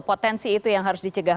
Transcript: potensi itu yang harus dicegah